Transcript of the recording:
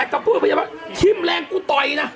แต่กับผู้ที่เป็นพยาบาลชิมแรงกูต่อยนะ